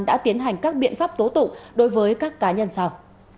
đã tiến hành các biện pháp tố tụng đối với các cá nhân sau